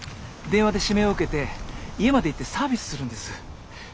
電話で指名を受けて家まで行ってサービスするんです。